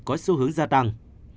và xu hướng gia tăng